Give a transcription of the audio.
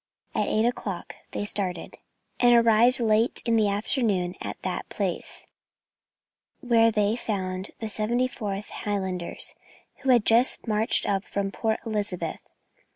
At eight o'clock they started, and arrived late in the afternoon at that place, where they found the 74th Highlanders, who had just marched up from Port Elizabeth.